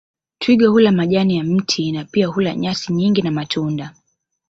Twiga hula majani ya miti na pia hula nyasi nyingi na matunda